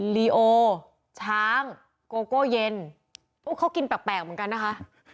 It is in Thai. ลีโอช้างโกโก้เย็นเขากินแปลกเหมือนกันนะคะ